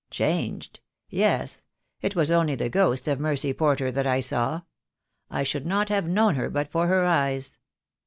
"Changed! Yes. It was only the ghost of Mercy Porter that I saw. I should not have known her but for her eyes.